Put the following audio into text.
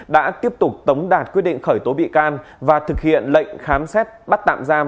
đã tiếp tục tống đạt quyết định khởi tố bị can và thực hiện lệnh khám xét bắt tạm giam